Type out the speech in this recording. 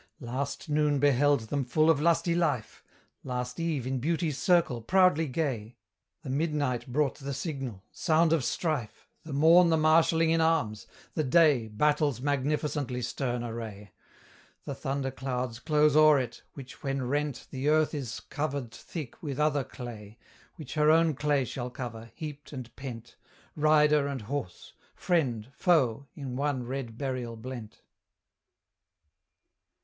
Last noon beheld them full of lusty life, Last eve in Beauty's circle proudly gay, The midnight brought the signal sound of strife, The morn the marshalling in arms, the day Battle's magnificently stern array! The thunder clouds close o'er it, which when rent The earth is covered thick with other clay, Which her own clay shall cover, heaped and pent, Rider and horse, friend, foe, in one red burial blent!